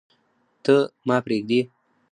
ته، ما پریږدې